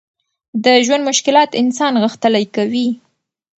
د ژوند مشکلات انسان غښتلی کوي.